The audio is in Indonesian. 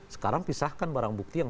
sekarang pisahkan barang bukti yang